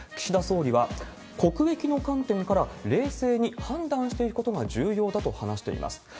岸田総理は国益の観点から、冷静に判断していくことが重要だと話しています。